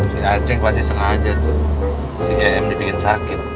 si aceng pasti sengaja tuh si iem dibikin sakit